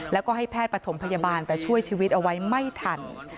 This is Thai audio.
แล้วก็ให้แพทย์ประถมพยาบาลแต่ช่วยชีวิตเอาไว้ไม่ทัน